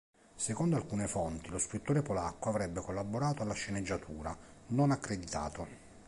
Secondo alcune fonti lo scrittore polacco avrebbe collaborato alla sceneggiatura, non accreditato.